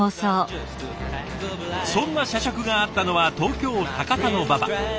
そんな社食があったのは東京・高田馬場。